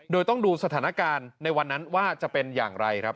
โดยต้องดูสถานการณ์ในวันนั้นว่าจะเป็นอย่างไรครับ